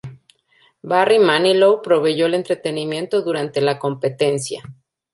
Barry Manilow proveyó el entretenimiento durante la competencia.